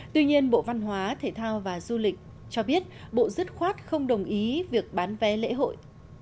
tuy nhiên bộ văn hóa thể thao và du lịch cho biết bộ dứt khoát không đồng ý việc bán vé lễ hội